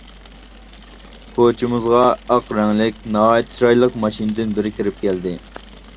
كوچىمىزغا ئاق رەڭلىك، ناھايىتى چىرايلىق ماشىنىدىن بىرى كىرىپ كەلدى.